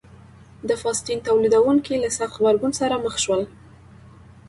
د فاسټین تولیدوونکو له سخت غبرګون سره مخ شول.